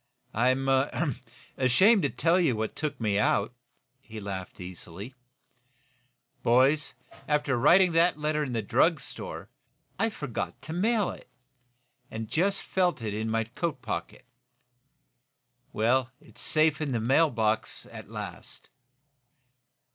"I'm ashamed to tell you what took me out," he laughed, easily. "Boys, after writing that letter in the drug store, I forgot to mail it, and just felt it in my coat pocket. Well, it's safe in the mail box, at last."